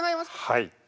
はい。